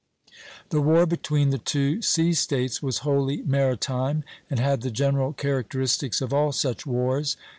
The war between the two sea States was wholly maritime, and had the general characteristics of all such wars.